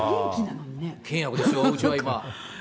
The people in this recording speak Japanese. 険悪ですよ、うちは今。